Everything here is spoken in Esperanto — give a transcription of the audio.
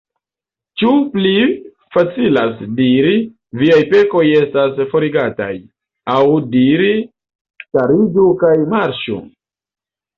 Ĉu pli facilas diri: Viaj pekoj estas forigataj; aŭ diri: Stariĝu kaj marŝu?